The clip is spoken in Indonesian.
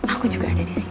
aku juga ada di sini